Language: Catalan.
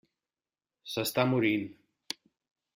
S'està morint.